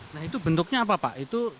nah itu bentuknya apa pak